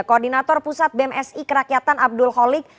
koordinator pusat bmsi kerakyatan abdul holik